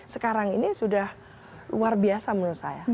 sekarang ini sudah luar biasa menurut saya